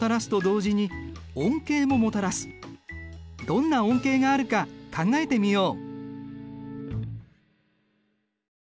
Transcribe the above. どんな恩恵があるか考えてみよう。